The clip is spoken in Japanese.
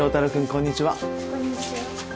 こんにちは。